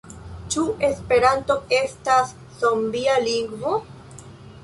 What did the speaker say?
Ĉu Esperanto estas zombia lingvo?